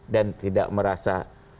dan tidak merasa